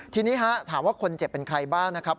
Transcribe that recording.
ทีนี้ถามว่าคนเจ็บเป็นใครบ้างนะครับ